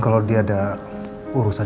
kalau dia ada urusan jadi percintaan